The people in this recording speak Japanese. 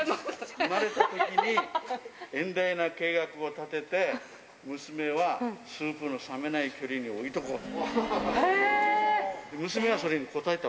産まれたときに遠大な計画を立てて、娘はスープの冷めない距離に置いておこうと。